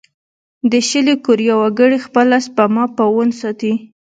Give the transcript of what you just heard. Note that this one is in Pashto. د شلي کوریا وګړي خپله سپما په وون ساتي.